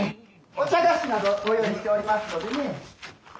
お茶菓子などご用意しておりますのでね。